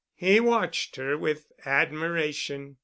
He watched her with admiration.